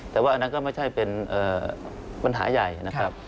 แต่ว่าอันนั้นก็ไม่ใช่เป็นปัญหาใหญ่นะครับ